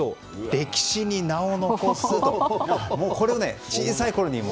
歴史に名を残すというのを小さいころに。